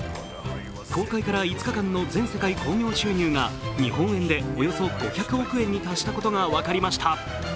公開から５日間の全世界興行収入が日本円でおよそ５００億円に達したことが分かりました。